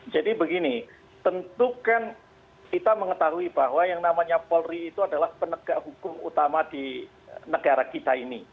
jadi begini tentukan kita mengetahui bahwa yang namanya polri itu adalah penegak hukum utama di negara kita ini